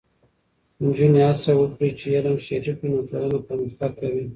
نجونې هڅه وکړي چې علم شریک کړي، نو ټولنه پرمختګ کوي.